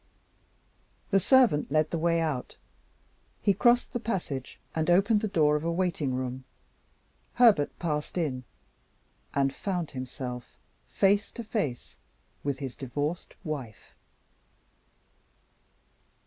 The servant led the way out. He crossed the passage, and opened the door of a waiting room. Herbert passed in and found himself face to face with his divorced wife.